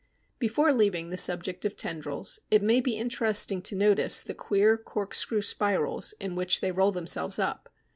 Before leaving the subject of tendrils, it may be interesting to notice the queer corkscrew spirals in which they roll themselves up.